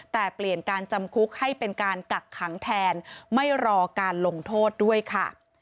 แต่เปลี่ยนการจำคุกให้เป็นการกักขังแทนไม่รอการลงโทษด้วยค่ะ